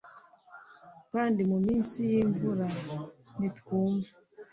Kandi muminsi yimvura ntitwumva